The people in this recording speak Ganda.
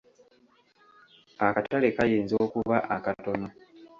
Akatale kayinza okuba akatono.